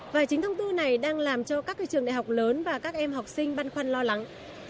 và chính thông tư này đang làm cho các trường đại học lớn và các em học sinh băn khoăn lo lắng